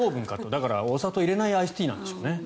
だから、お砂糖を入れないアイスティーなんでしょうね。